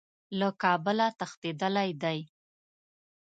له کابله تښتېدلی دی.